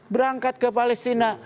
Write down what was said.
berangkat ke palestina